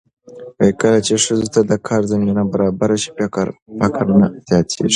کله چې ښځو ته د کار زمینه برابره شي، فقر نه زیاتېږي.